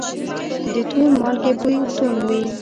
د تور مالګې بوی توند وي.